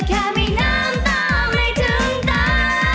ก็แค่มีน้ำตาลไม่ถึงตาย